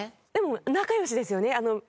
でも仲良しですよね。